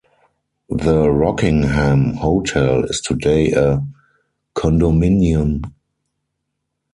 The Rockingham Hotel is today a condominium.